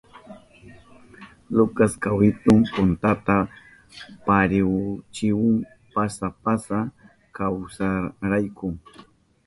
Lucas kawitun puntata parihuyachihun pasa pasa kahushkanrayku.